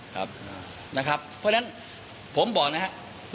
ครับนะครับเพราะฉะนั้นผมบอกนะครับ